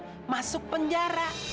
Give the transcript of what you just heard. dan suaminya masuk penjara